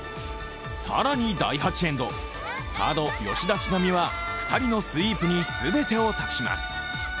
更に第８エンド、サード・吉田知那美は２人のスイープに全てを託します。